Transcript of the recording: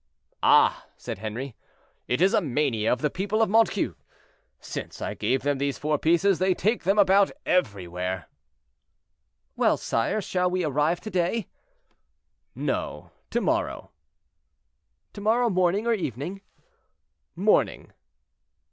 "Ah!" said Henri, "it is a mania of the people of Montcuq. Since I gave them these four pieces they take them about everywhere." "Well, sire, shall we arrive to day?" "No, to morrow." "To morrow morning or evening?" "Morning."